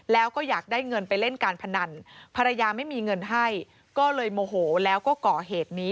แล้วก็อยากได้เงินไปเล่นการพนันภรรยาไม่มีเงินให้ก็เลยโมโหแล้วก็ก่อเหตุนี้